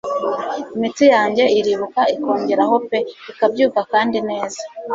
Imitsi yanjye iribuka ikongeraho pe ikabyuka kandi neza